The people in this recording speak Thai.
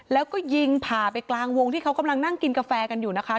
แล้วก็ยิงผ่าไปกลางวงที่เขากำลังนั่งกินกาแฟกันอยู่นะคะ